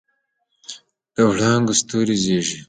د وړانګو ستوري زیږي